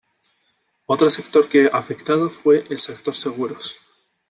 Otro sector que afectado fue el sector de seguros.